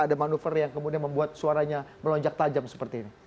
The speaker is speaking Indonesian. ada manuver yang kemudian membuat suaranya melonjak tajam seperti ini